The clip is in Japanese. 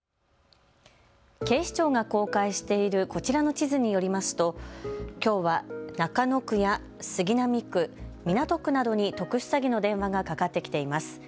警視庁が公開しているこちらの地図によりますときょうは中野区や杉並区、港区などに特殊詐欺の電話がかかってきています。